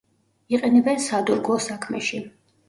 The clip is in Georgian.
იყენებენ სადურგლო საქმეში.